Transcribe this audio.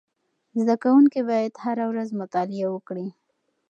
زده کوونکي باید هره ورځ مطالعه وکړي.